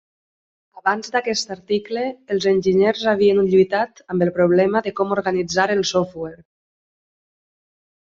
Abans d'aquest article, els enginyers havien lluitat amb el problema de com organitzar el software.